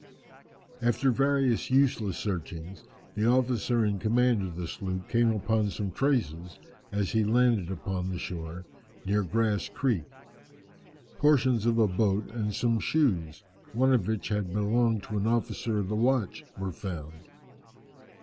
After various useless searchings, the officer in command of the sloop came upon some traces, as he landed upon the shore, near Grass Creek. Portions of a boat and some shoes, one of which had belonged to an officer of the watch, were found.